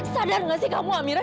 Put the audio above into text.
sadar gak sih kamu amira